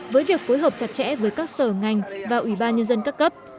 với việc phối hợp chặt chẽ với các sở ngành và ủy ban nhân dân các cấp